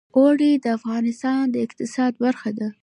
اوړي د افغانستان د اقتصاد برخه ده.